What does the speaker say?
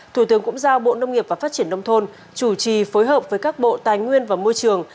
thủ tướng cũng giao bộ nông nghiệp và phát triển nông thôn chủ trì phối hợp với các bộ tài nguyên và môi trường